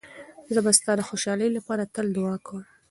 زه به ستا د خوشحالۍ لپاره تل دعا کوم.